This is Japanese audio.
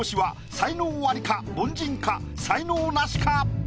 才能ナシか？